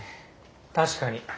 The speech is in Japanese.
確かに。